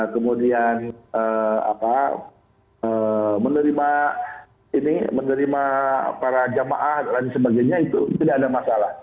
kemudian menerima para jamaah dan sebagainya itu tidak ada masalah